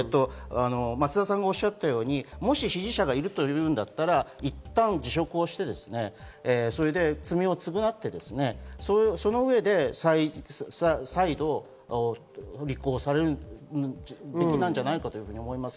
松田さんがおっしゃったように支持者がいるというならばいったん辞職をし、罪を償い、その上で再度、立候補されるべきなんじゃないかなと思います。